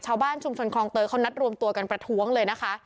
ชาวบ้านชุมชนคลองเตยเขานัดรวมตัวกันประท้วงเลยนะคะ